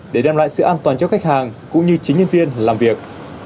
để đem lại sự an toàn cho khách hàng cũng như chính nhân viên làm việc